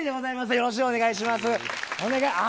よろしくお願いします。